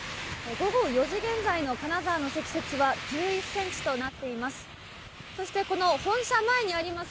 午後４時現在の金沢の積雪は１１センチとなっています。